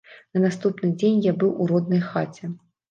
На наступны дзень я быў у роднай хаце.